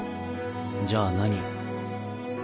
じゃあ何？